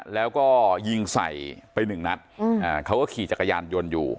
แล้วก็ยิงใส่ไปหนึ่งนัดเขาก็ขี่จักรยานยนต์อยู่